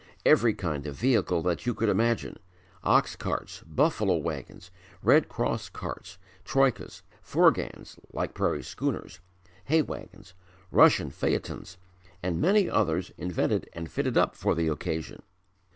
Every kind of vehicle that you could imagine ox carts, buffalo wagons, Red Cross carts, troikas, foorgans like prairie schooners, hay wagons, Russian phaëtons and many others invented and fitted up for the occasion.